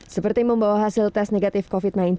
seperti membawa hasil tes negatif covid sembilan belas